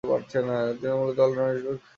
তিনি মূলতঃ অল-রাউন্ডার হিসেবে খেলতেন।